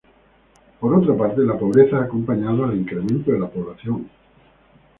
Por otra parte, la pobreza ha acompañado al incremento de la población.